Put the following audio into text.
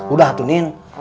udah tuh nin